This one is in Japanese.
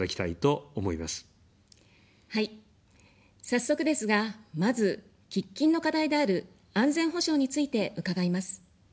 早速ですが、まず、喫緊の課題である安全保障について伺います。